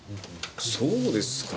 そうですか？